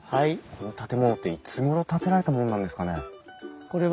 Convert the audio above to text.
この建物っていつごろ建てられたものなんですかね？